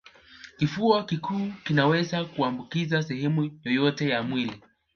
Kifua kikuu kinaweza kuambukiza sehemu yoyote ya mwili